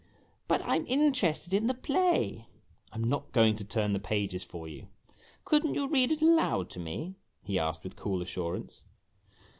" But I 'm interested in the play !"" I 'm not going to turn the pages for you." " Could n't you read it aloud to me ?" he asked, with cool assurance.